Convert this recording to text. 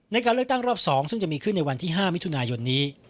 ในการเลือกตั้งรอบ๒ซึ่งจะมีขึ้นในวันที่๕มิถุนายนนี้